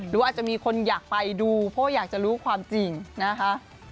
หรือว่าอาจจะมีคนอยากไปดูเพราะอยากจะรู้ความจริงนะคะ